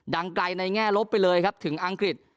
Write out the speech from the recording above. ดังไกลในแง่ลบไปเลยครับถึงอังกฤษ